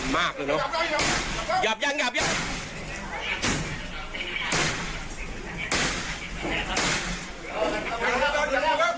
มากเลยเนอะหยับยังหยับยับ